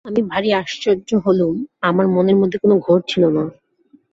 আমি ভারি আশ্চর্য হলুম আমার মনের মধ্যে কোনো ঘোর ছিল না।